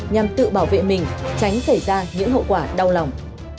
nhằm tự bảo vệ mình tránh xảy ra những hậu quả đau lòng